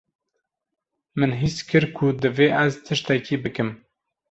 Min his kir ku divê ez tiştekî bikim.